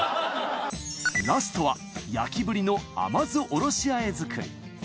ラストは焼きブリの甘酢おろし和え作り。